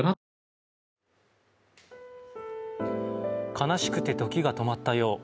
悲しくて時が止まったよう。